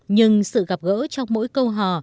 nhưng sự gặp gỡ trong mỗi câu hò